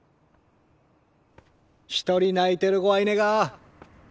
一人泣いてる子はいねが。